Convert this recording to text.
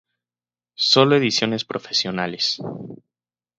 Solo ediciones profesionales.